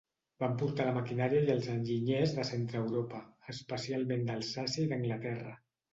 Van portar la maquinària i els enginyers de centre-Europa, especialment d'Alsàcia i d'Anglaterra.